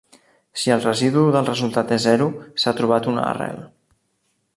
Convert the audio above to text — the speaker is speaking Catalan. Si el residu del resultat és zero, s'ha trobat una arrel.